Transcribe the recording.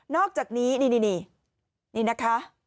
อกจากนี้นี่นะคะ